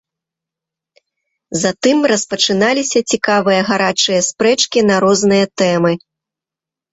Затым распачыналіся цікавыя гарачыя спрэчкі на розныя тэмы.